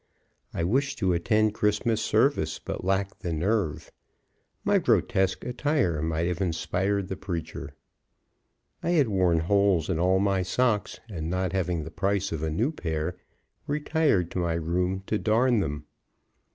I wished to attend Christmas service, but lacked the nerve. My grotesque attire might have inspired the preacher. I had worn holes in all my socks, and not having the price of a new pair, retired to my room to darn them.